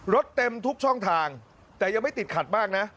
เต็มทุกช่องทางแต่ยังไม่ติดขัดมากนะ